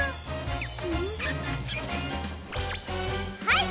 はい！